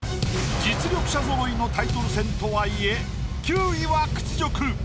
実力者ぞろいのタイトル戦とはいえ９位は屈辱。